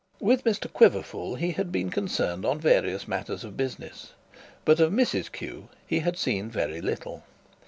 With Mr Quiverful he had been concerned on various matters of business; but of Mrs Q. he had seen very little.